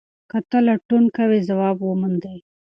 که ته لټون کوې ځواب موندې.